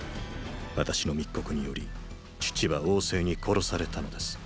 私の密告により父は王政に殺されたのです。